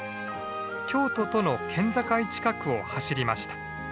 京都との県境近くを走りました。